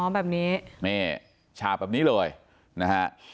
แบบนี้นี่ฉาบแบบนี้เลยนะฮะ